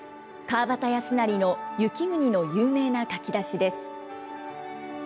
川端康成の雪国の有名な書きだしです。